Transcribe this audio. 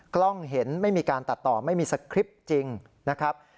กล้องเห็นไม่มีการตัดต่อไม่มีสคริปต์จริงนะครับ